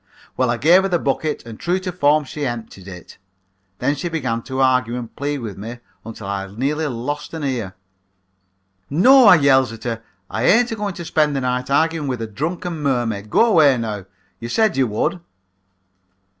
"Well, I gave her the bucket and true to form she emptied it. Then she began to argue and plead with me until I nearly lost an ear. "'No,' I yells at her, 'I ain't agoing to spend the night arguing with a drunken mermaid. Go away, now; you said you would.'